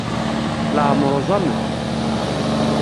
Leɛmer uẓamen.